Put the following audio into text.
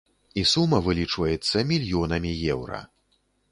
І сума вылічваецца мільёнамі еўра.